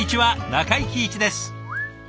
中井貴一です。